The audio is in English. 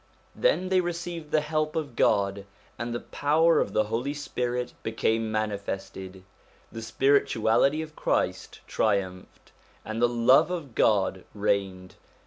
Then they received the help of God, and the power of the Holy Spirit became manifested ; the spirituality of Christ triumphed, and the love of God reigned.